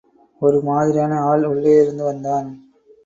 ஒரு மாதிரியான ஆள் உள்ளேயிருந்து வந்தான்.